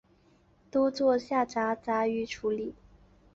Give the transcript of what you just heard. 多做为下杂鱼处理。